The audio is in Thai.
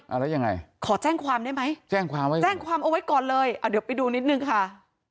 อ้าวแล้วยังไงแจ้งความเอาไว้ก่อนเลยเดี๋ยวไปดูนิดนึงค่ะ